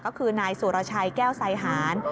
ก็คือนายสุภโชคแก้วไซฮาน